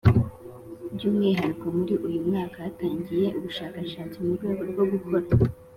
By umwihariko muri uyu mwaka hatangiye ubushakashatsi mu rwego rwo gukora